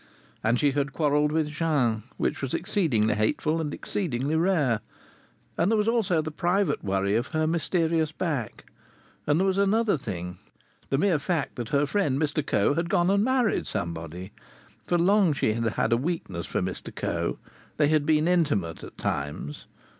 And she had quarrelled with Jean, which was exceedingly hateful and exceedingly rare. And there was also the private worry of her mysterious back. And there was another thing. The mere fact that her friend, Mr Coe, had gone and married somebody. For long she had had a weakness for Mr Coe. They had been intimate at times.